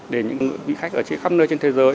để những vị khách ở trên khắp nơi trên thế giới